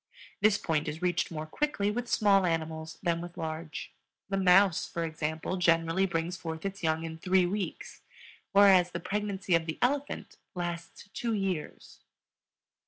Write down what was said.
This point is reached more quickly with small animals than with large. The mouse, for example, generally brings forth its young in three weeks, whereas the pregnancy of the elephant lasts two years.